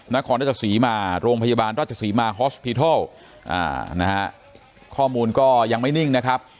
นครราชสีมาโรงพยาบาลราชศรีมาฮอสพีทัลนะฮะข้อมูลก็ยังไม่นิ่งนะครับ